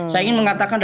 saya ingin mengatakan